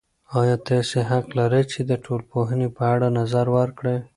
ایا تاسې حق لرئ چې د ټولنپوهنې په اړه نظر ورکړئ؟